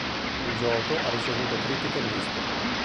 Il gioco ha ricevuto critiche miste.